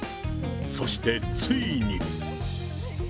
そしてついに。